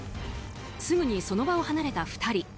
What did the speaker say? すぐにその場を離れた２人。